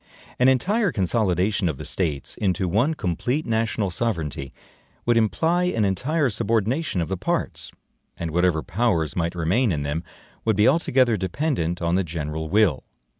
An entire consolidation of the States into one complete national sovereignty would imply an entire subordination of the parts; and whatever powers might remain in them, would be altogether dependent on the general will.